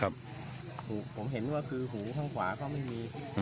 ผมเห็นก็คือหูข้างขวาก็ไม่มี